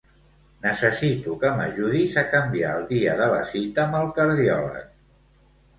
Necessito que m'ajudis a canviar el dia de la cita amb el cardiòleg.